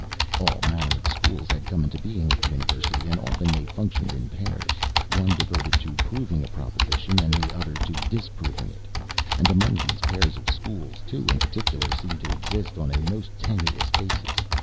All manner of schools had come into being at the University, and often they functioned in pairs, one devoted to proving a proposition, and the other to disproving it. And among these pairs of schools two, in particular, seemed to exist on a most tenuous basis.